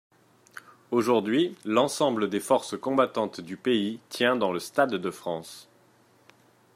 Aujourd’hui, l’ensemble des forces combattantes du pays tient dans le stade de France.